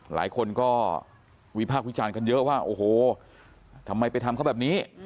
หลายคนก็วิพากษ์วิจารณ์กันเยอะว่าโอ้โหทำไมไปทำเขาแบบนี้